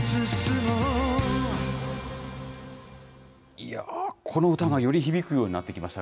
いやー、この歌がより響くようになってきました。